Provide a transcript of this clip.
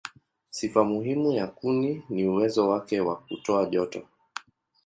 Sifa muhimu ya kuni ni uwezo wake wa kutoa joto.